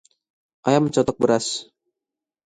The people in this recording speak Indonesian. ayam mencotok beras